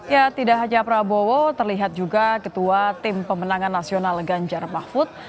ya tidak hanya prabowo terlihat juga ketua tim pemenangan nasional ganjar mahfud